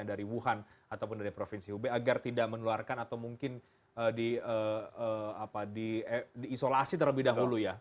dari wuhan ataupun dari provinsi hubei agar tidak menularkan atau mungkin diisolasi terlebih dahulu ya